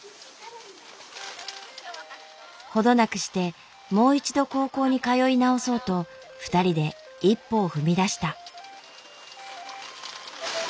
ほどなくしてもう一度高校に通い直そうと２人で一歩を踏み出した。